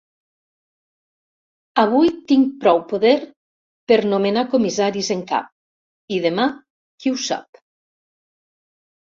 Avui tinc prou poder per nomenar comissaris en cap i demà, qui ho sap.